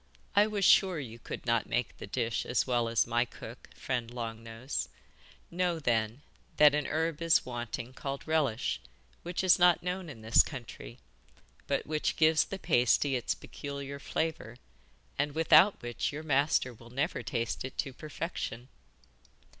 'I was sure you could not make this dish as well as my cook, friend Long Nose. Know, then, that a herb is wanting called Relish, which is not known in this country, but which gives the pasty its peculiar flavour, and without which your master will never taste it to perfection.